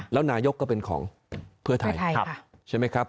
แล้วนายกก็เป็นของเพื่อไทยใช่ไหมครับ